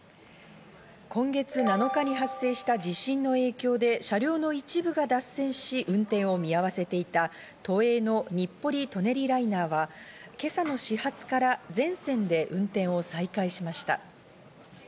今月７日に発生した地震の影響で車両の一部が脱線し、運転を見合わせていた都営の日暮里・舎人ライナーは、今朝の始発から全線で運転を再開しました。